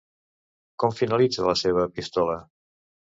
Com finalitza la seva epístola?